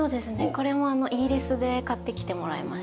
これもイギリスで買ってきてもらいました。